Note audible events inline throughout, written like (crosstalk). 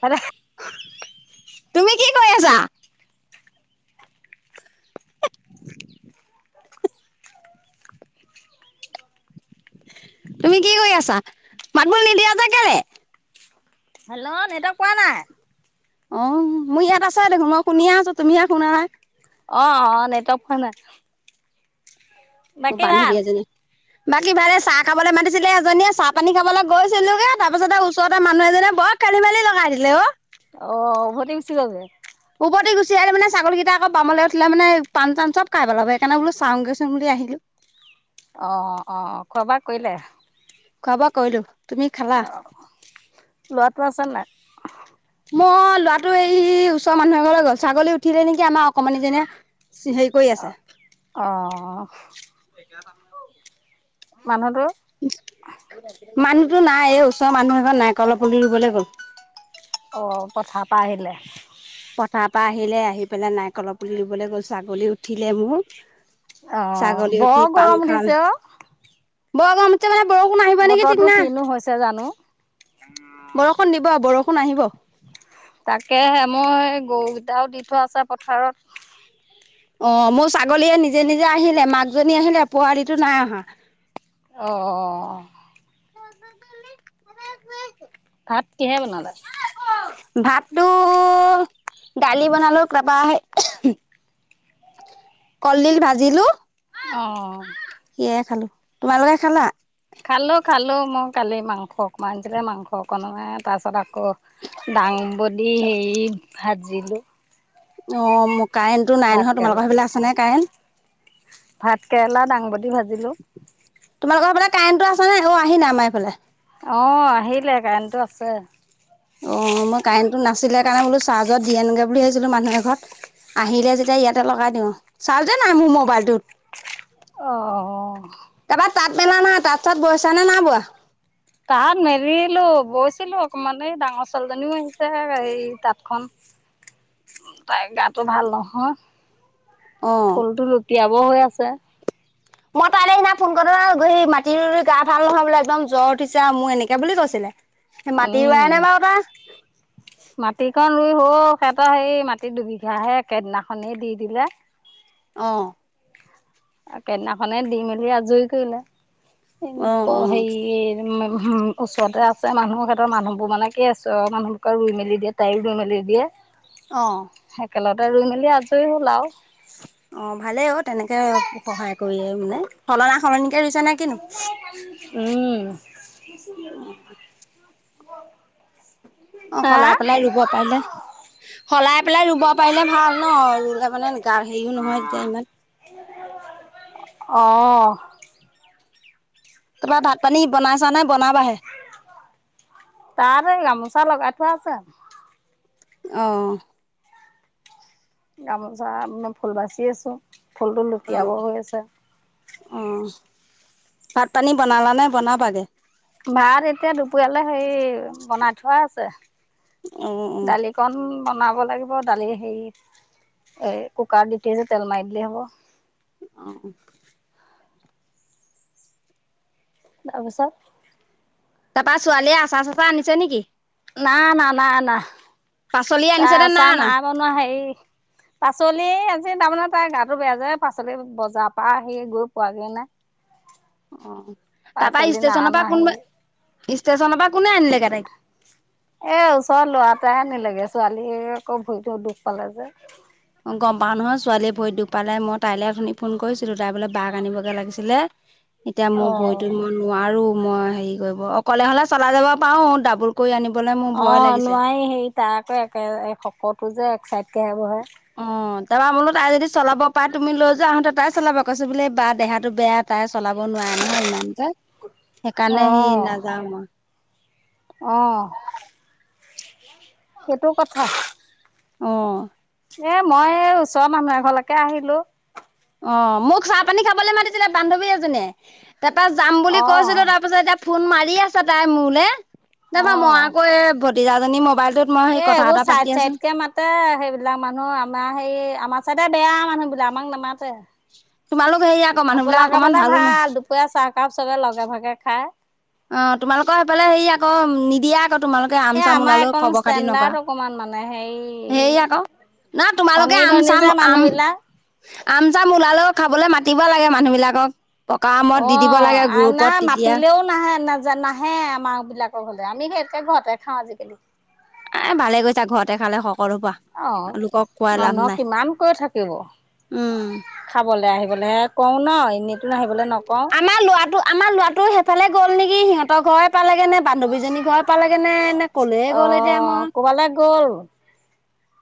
হ তুমি কি কৰি আছা। তুমি কি কৰি আছা মাতবোল নিদিয়া যে কেলে? হেল্ল' নেটৱৰ্ক পোৱা নাই। অ মোৰ ইয়াত আছে দেখোন মই শুনিয়ে আছো তুমিয়ে শুনা নাই। অ অ অ নেটৱৰ্ক পোৱা নাই। মোৰ বাকী ভাল? বান্ধৱী এজনী বাকী ভালে চাহ খাবলৈ মাতিছিলে এজনীয়ে চাহ পানী খাবলৈ গৈছিলাগে তাপিছতে ওচৰৰ মানুহ এজনে বৰ। খেলি মেলি লগাই দিলে অ অ ভতে বেছি যে ওপতি গুচি আহিল মে ছাগলকেইটা আকৌ বামলৈ উঠিলেমানে পাণ চান চব খাই পেলাব সকাৰণে বোলো চাওঁগৈ চং বুলি আহিলো। (inaudible) অ অ খোৱা বোৱা কৰিলে? কৈলো। অ লোৱাটো আছে নাই। মই ল'ৰাটো এই ওচৰ মানুহ এ ঘৰলৈ গ'ল ছাগলী উঠিলে নেকি আমাৰ অকণমান নি যেনে হেৰি কৰি আছে। আহঁ (inaudible) মানুহটো মানুহতো নাই এই ওচৰৰ মানুহ এখন নাই কল পুলি ৰুবলৈ গ'ল অঁ পথা পা আহিলে। পথাৰ পৰা আহিলে আহি পেলাই নাৰিকলৰ পুলি ৰুবলৈ গ'ল ছাগলী উঠিলে মোৰ। অ', ছাগলী বৰ উঠি পান গৰম খান উঠিছে অ', ব গৰম উঠিছে। বৰষুণ আহিব নেকি ঠিক বতৰটো নাই কিনো হৈছে জানো। বৰষুণ দিব বৰষুণ আহিব তাকে মই গৰুকেইটাও দি থোৱা আছে পথাৰত অ মোৰ ছাগলীয়ে নিজে নিজে আহিলে মাকজনী আহিলে পোৱালীটো নাই অহা অঁ উ ভাত কিহে বনালা ভাতটো দালি বনালেও তাপা। কলডিল ভাজিলো। আহঁ সেয়াই খালো তোমালোকে খালা খালোঁ খালোঁ মই কালি মাংস অকণমান দে মাংস অকণোৱাই তাৰপিছত আকৌ ডাঙ বদি হেৰি ভাজিলোঁ। অ মোৰ কাৰেণ্টটো নাই নহয় কেৰেলা তোমালোকৰ সেইবিলাক আছ নাই কাৰেণ্ট ভাত কেৰেলা দাংবাদি ভাজা তোমালোকৰ ফালে কাৰেণ্টটো আছ নে অ আহি না আমাৰ এইফালে। আহ আহিলে কাৰেণ্টটো আছে। অ মই কাৰেণ্টটো নাছিলে কাৰণে বোলো চাৰ্জত দিঅনোগে বুলি ভাবিছিলো মানুহ এ ঘৰত আহিলে যেতিয়া ইয়াতে লগাই দিওঁ চাজে নাই মোৰ মোবাইলটোত অহ কাৰোবাৰ তাঁত মেলা নহয় তাঁত তাত বৈছা নে নাই বোৱা (unintelligible) তাত মেৰিলো বৈছিলো অকমান এই ডাঙৰ ছোৱালীজনীও আহিছে এই তাঁতখনন (inaudible) তাই গাটো ভাল নহয় অ'। ফুলটো লুটিয়াব হৈ আছে মই তালে সিদিনা ফোন কৰ গৈ সি মাটি গা ভাল নহয় বোলে একদম জ্বৰ উঠিছে আৰু মোৰ এনেকে বুলি কৈছিলে সি মাটি ৰোৱানে বাৰু তাৰ মাটিকন ৰুই হল হেহঁতৰ সেই মাটিৰ দুবিঘাহে সেইদিনাখনেই দি দিলে অ', আৰু কেইদিনাখনে দি মেলি আজৰি কৰিলে অ', অ'। হেৰি উম ওচৰতে আছে মানুহৰ হেঁতৰ মানুহবোৰ মানে কি মানুহবোকে ৰুই মেল দিয়ে তাইও ৰুই মেলি দিয়ে অহ একেলতে ৰুই মেলি আজৰি হ'ল আও অ ভালেই অ তেনেকে সহায় কৰিয়ে মানে সলনা সলনি তাকে ৰুইছা নে কিনো উম অ হা সলাই পেলাই ৰুব পাৰিলে। সলাই পেলাই ৰুব পাৰিলে ভাল ন ৰুলে মানে গা হেৰিও নহয় তেতিয়া ইমান অহ টিট তাৰপৰা ভাত পানী বনাই চা নে বনাবাহে তাতে গামোচা লগাই থোৱা আছে অহ গামোচা মই ফুল বাচি আছো ফুলটো লুটিয়াব অ হৈ আছে। ভাত পানী বনালা নে বনাবাগে ভাত এতিয়া দুপৰীয়ালে হে বনাই থোৱা আছে। অ অ দালিকন বনাব লাগিব দালি হেৰি এ কুকাৰত দি যে তেল মাৰি দিলে হ'ব। অহ তাৰ পিছত তাৰপা ছোৱালীয়ে আচা চচা আনিছে নেকি? নাই না নাই না পাচলি আনিছে নে আচাৰ অনা নাই বনোৱা হে পাছত আজি তাৰমানে তাৰ গাটো বেয়া যে পাচলি বজাৰ পৰা আহি গৈ পোৱাগে নাই অ তাৰ পৰা পাচলি নাই ষ্টেশ্যনৰ অনা পৰা হেৰি কোনবা ষ্টেশ্যনৰ পৰা কোনে আনিলেগে তাইক এ ওচৰৰ লৰাটাই আনিলেগে ছোৱালীয়ে আকৌ ভৰিতো দুখ পালে যে অ গম পাওঁ নহয় ছোৱালীয়ে ভৰিত দুখ পালে মই তাইলে শুনি ফোন কৰিছিলো তাই বোলে বাহ আনিবগৈ লাগিছিলে এতিয়া মোৰ অ', ভৰিতো মই নোৱাৰো মই হেৰি কৰিব অকলে হলে চলাই যাব পাৰো ডাবুল কৰি আনিবলৈ মোৰ অ ভয় লাগিছে নোৱাৰি হেৰি তাৰ আকৈ একে সকলো যে এক চাইডকেহে বহে অ তাৰপৰা বোলো তাই যদি চলাব পাই তুমি লৈ যোৱা আহোতে তাই চলাবা কৈছ বোলে বা দেহাটো বেয়া তাই চলাব নোৱাৰে নহয় ইমানকে সেইকাৰণে সি নাযাওঁ মই। অঁহ সেইটো কথা অহ এ মই এই ওচৰৰ মানুহ এঘৰলৈকে আহিলো। অ মোক চাহপানী খাবলৈ মাতিছিলে বান্ধৱী এজনীয়ে। তাৰপা যাম বুলি কৈছিলো তাৰ অ', পিছত এতিয়া ফোন মাৰি আছে তাই মোলে তাপা মই অ'। আকৌ এ ভতিজাজনী মোবাইল এ এইবোৰ চাইড চাইড কে মাতে সেইবিলাক মানুহ আমাৰ হে আমাৰ চাইডে বেয়া মানুহ বিলাক আমাক নামাতে। তোমালোক হেৰি আকৌ মানুহবিলাক আপোনালোকৰ অকমান ফালে ভালো ন ভাল। দুপৰীয়া চাহকাপ চবে লগে ভাগে খায়। অ তোমালোকৰ সেইফালে হেৰি আকৌ নিদিয়া আকৌ তোমালোকে আম এ চাম আমাৰ ওলালেও একণ খবৰ খাতি নকৰা। ষ্টেণ্ডাৰ্ড অকমান মানে হেৰি হেৰি আকৌ না তোমালোকে ধনী আম ধনী চাম, যে মানুহ বিলাক। আম-আম চাম ওলালেও খাবলৈ মাতি মাতিব লাগে মানুহবিলাকক। অ আৰু নাই মাতিলেও নাহে ন যে নাহে আমাক বিলাকৰ ঘৰলে। আমি সেইতকে ঘৰতে খাওঁ আজিকালি। এ ভালে গৈছা ঘৰতে খালে হওক। অহ মানুহক কিমান কৈ থাকিব। উম খাবলে আহিবলে হে কওঁ ন এনেইটো আহিবলৈ নক আমাৰ লৰাটো, আমাৰ লৰাটো সেইফালে গ'ল নেকি সিহঁতৰ ঘৰ পালে কেনে বান্ধৱীজনীৰ ঘৰ পালেগে নে এনে কলে গ'ল? এতিয়া মই কল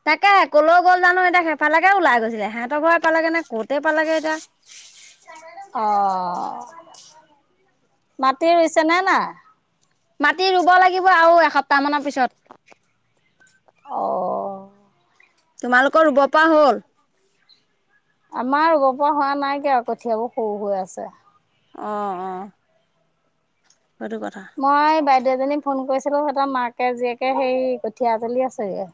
তাকে কলৈ গ'ল জানো এতিয়া। সেইফালে ওলাই গৈছিলে। সিহঁতৰ ঘৰে পালেগে নে কতে পালেগে এতিয়া। (inaudible) অ মাটি ৰুইছেনে নাই? মাটি ৰুব লাগিব আৰু এসপ্তাহ মানৰ পিছত। অ'। তোমালোকৰ ৰুব পা হ'ল? আমাৰ ৰুব পৰা হোৱা নাইকে আৰু কঠিয়াবোৰ সৰু হৈ আছে। অ-অ। মই বাইদেউ এজনীক ফোন কৰিছিলো। সিহঁতৰ মাকে, জীয়েকে সেই কঠিয়া জলি আছেগে।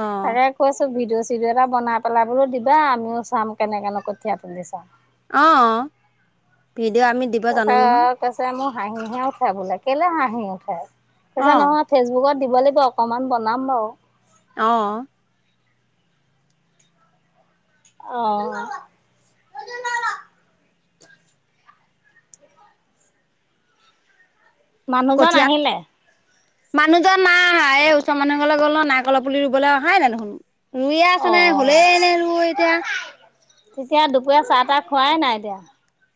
অ তাকে কৈছো ভিডিঅ' চিডিঅ' এটা বনাই পেলাই বোলো দিবা, আমিও চাম কেনেকেনো কঠীয়া তুলিচা। অঅ, ভিডিঅ' আমি দিব জানো নহয়। হাঁহি হে উঠে বোলে, কেলে হাঁহি উঠে? কৈছে অ', নহয় ফেচবুকত দিব লাগিব অকমান বনাম বাৰু। অঁ। অঁ। মানুহজন কঠিয়াত আহিলে? মানুহজন নাই, এই ওচৰ মানুহ এঘৰলে গল অ নাইকলৰ পুলি ৰুবলৈ অহাই নে দেখোন। ৰুইয়ে আছে নে অ'। হ'লেই নে ৰুই এতিয়া তেতিয়া দুপৰীয়া চাহ তাহ খোৱাই নাই এতিয়া।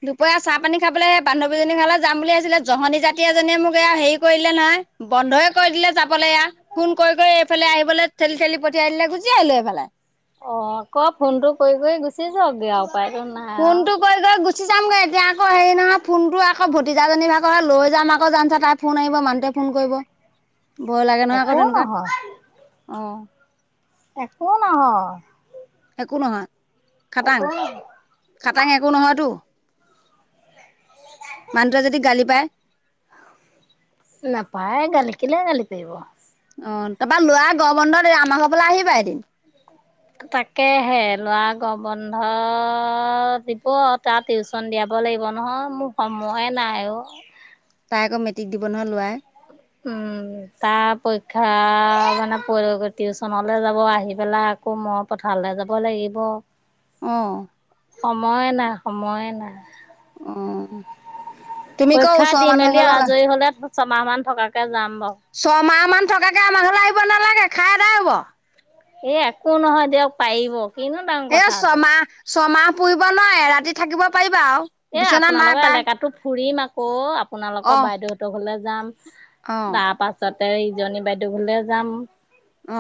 দুপইয়া চাহ পানী খাবলে এ বান্ধৱীজনী ঘৰলে যাম বুলি ভাবিছিলোঁ। জহনী জাতি এজনীয়ে মোক এয়া হেৰি কৰিলে নহয়। বন্ধই কৰি দিলে যাবলৈ এইয়া। ফোন কৰি কৰি এইফালে আহিবলৈ ঠেলি ঠেলি পঠিয়াই দিলে, গুচি আহিলো এইফালে। অ আকৌ ফোনটো কৰি কৰি গুচি যাওক গে আও। ফোনটো কৈ কৈ গুচি যামগে এতিয়া আকৌ হেৰি নহয় ফোনটো আকৌ ভতিজাজনী ভাগৰ হে। লৈ যাম আকৌ জানোচা তাইৰ ফোন আহিব, মানুহটোৱে ফোন কৰিব। ভয় লাগে নহয় আকৌ একো তেনেকুৱাত, নহয় অ। একো নহয়। একো নহয়। খাটাং। আকৌ খাটাং একো নহয়তো? মানুহটোৱে যদি গালি পাএ? নাপাএ গালি, কেলে গালি পাৰিব? অ তাৰ পৰা লৰা গঅম বন্ধ দিলে আমাৰ ঘৰলে আহিবা এদিন। তাকেহে। লৰা গৰম বন্ধ দিব তাৰ টিউচন দিয়া লাগিব নহয়, মোৰ সময়ে নাই অ। তাই আকৌ মেট্ৰিক দিব নহয় লআই। উম তাৰ পৰীক্ষা মানে টিউচনলে যাব আহি পেলাক আকৌ মই পথাৰলৈ যাব লাগিব। আহঁ। সময় নাই সময় নাই। অঁ। তুমি কৌ পৰীক্ষা ওচৰৰ দি মানুহ মেলি ঘৰলৈ ওলা আজৰি হলে ছমাহ মান থকাকে যাম। বাৰু। ছমাহ মান থকাকে আমাহলৈ আহিব নালাগে খাইদাই হব এ একো নহয় দিয়ক পাৰিব। কিনো ডাঙৰ এ কথাটো। ছমাহ ছমাহ পুৰিব নোৱাৰ এ ৰাতি থাকিব পাৰিব। এ আপোনালোকৰ এলেকাতো ফুৰিম আকৌ আপোনালোকৰ অঁ বাইদেউহঁতৰ হলে যাম। অঁ তাৰ পাছতে ইজনী বাইদেউলে যাম।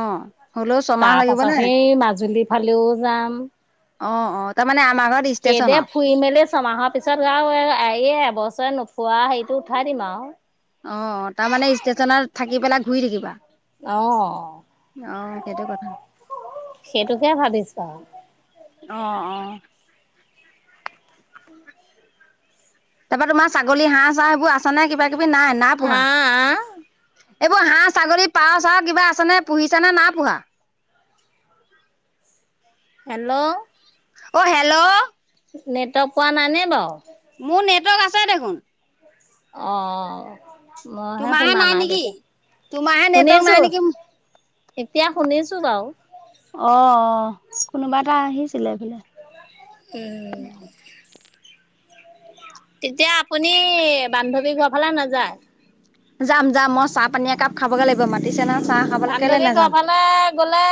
অঁ হ'লেও ছমাহ তাৰ লাগিব পাছত নে সেই মাজুলীৰ ফালেও যাম। অঁ অঁ তাৰ মমানে। সেইদে ফুৰি মেলি ছমাহৰ পিছত আৰু বছৰ নোখোৱা সেইটো উঠাই দিম আৰু। অঁ তাৰমানে ষ্টেশচনত থাকি পেলাই ঘূৰি থাকিবা। অ' অঁ সেই টো কথা সেইটোকে ভাবিছোঁ আৰু। অঁ অঁ তাৰপা তোমাৰ ছাগলী হাঁহ চাঁ সেইবোৰ আছে নাই কিবা কিবি নাই আ পোহা। আ এইবোৰ হাঁহ ছাগলী পাওঁ চাওঁ কিবা আছে নে পুহিছা নে নাই পোহা। (inaudible) হেল্ল', অঁ হেল্ল' নেটৱৰ্ক পোৱা নাইনে বাৰু। মোৰ নেটৱৰ্ক আছে দেখোন। আহঁ মইহে তোমাৰহে শুনা নাই নেকি তেতিয়া তোমাৰহে নেটৱৰ্ক নাই শুনিছোঁ। নেকি এতিয়া শুনিছোঁ বাৰু। অঁ অঁ কোনোবা এটা আহিছিলে এইফালে। উম, তেতিয়া আপুনি বান্ধৱী ঘৰৰ ফালে নাযায় (inaudible) যাম যাম মই চাহ পানী একাপ খাবগৈ লাগিব মাতিছে না চাহ খাবলৈ কেল বান্ধৱী ঘৰ নাযাম। (inaudible) ফালে গ'লে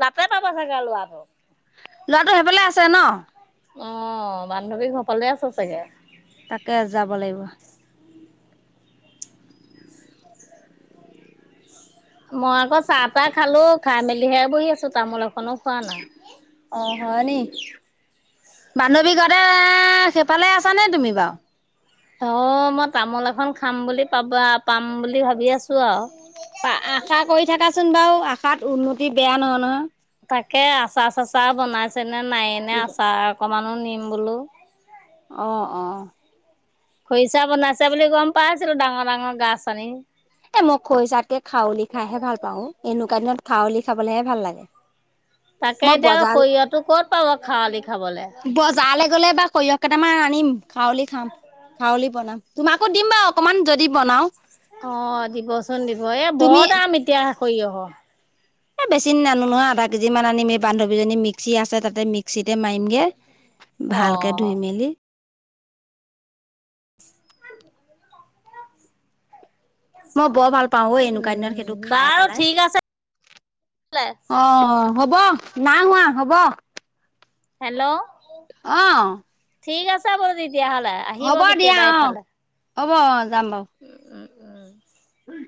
তাতে পাবা চাগে লোৱাটো। ল'ৰাটো সেইফালে আছে ন। অঁ বান্ধৱী ঘৰফালে আছো চাগে। তাকে যাব লাগিব। মই আকৌ চাহ তাহ খালোঁ খাই মেলিহে বহি আছো তামোল এখনো খোৱা নাই। অ হয় নি বান্ধৱী ঘৰতে সেইফালে আছানে তুমি বাৰু। অঁ মই তামোল এখন খাম বুলি পাবা পাম বুলি ভাবি আছো আৰু। আশা কৰি থাকাচোন বাৰু আশাত উন্নতি বেয়া নহয় ন। তাকে আচাৰ -চাচাৰ বনাইছে নে নায়ে নে আচাৰ অকমানো নিম বোলো। অঁ অঁ। খৰিচা বনাইছে বুলি গম পাইছিলোঁ ডাঙৰ ডাঙৰ গাছ আনি। এ মই খৰিচাতকে খাৱলি খাইহে ভাল পাওঁ এনেকুৱা দিনত খাৱলি খাবলেহে ভাল লাগে। তাকে মই এতিয়া বজাৰ সৰিয়হটো ক'ত পাব খাৱলি খাবলে। বজাৰলৈ গ'লে বা সৰিয়হ কেইটামান আনিম খাৱলি খাম খাৱলি বনাম তোমাকো দিম বাৰু অকনমান যদি বনাও। অঁ দিবচোন দিব এ তুমি বৰ দাম এতিয়া সৰিয়হ। বেছি নানো নহয় আধা কেজি মান আনিম এই বান্ধৱীজনী মিক্সি আছে তাতে মিক্সিতে মাৰিম গে। অ ভালকে ধুই মেলি। মই বৰ ভাল পাওঁ ঐ এনেকুৱা দিনত উম সেইটো খাই বাৰু পেলাই। ঠিক আছে বোলে। অ হ'ব, না হোৱা হ'ব। হেল্ল' আহ ঠিক আছে বাৰু তেতিয়াহ'লে আহিব দিয়া কেতিয়াবা অ এইফালে। হ'ব অ যাম বাৰু। উম উম উম উম